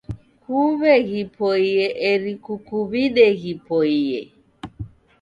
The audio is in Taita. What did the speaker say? Kuw'e ghipoie eri kukuw'ide ghipoie.